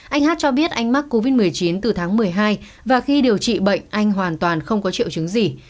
anh hát cho biết anh mắc covid một mươi chín từ tháng một mươi hai và khi điều trị bệnh anh hoàn toàn không có triệu chứng gì